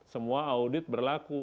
semua audit berlaku